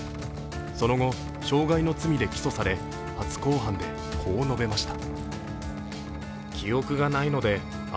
その後、傷害の罪で起訴され初公判でこう述べました。